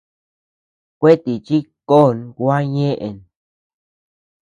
Kuetíchi kon gua ñeʼën.